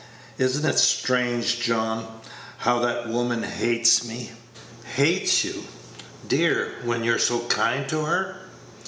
Is n't it strange, John, how that woman hates me?" "Hates you, dear, when you're so kind to her!"